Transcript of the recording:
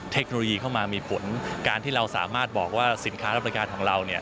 เทคโนโลยีเข้ามามีผลการที่เราสามารถบอกว่าสินค้ารับบริการของเราเนี่ย